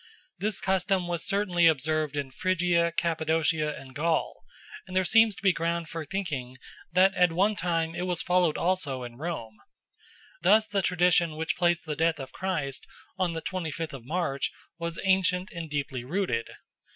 This custom was certainly observed in Phrygia, Cappadocia, and Gaul, and there seem to be grounds for thinking that at one time it was followed also in Rome. Thus the tradition which placed the death of Christ on the twenty fifth of March was ancient and deeply rooted.